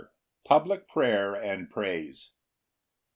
Public prayer and praise.